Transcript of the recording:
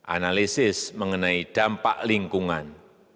analisis mengenai dampak lingkungan